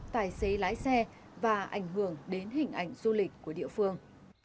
tài xế lái xe và ảnh hưởng đến hình ảnh du lịch của địa phương